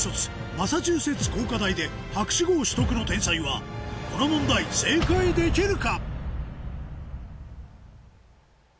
マサチューセッツ工科大で博士号取得の天才はこの問題正解できるか？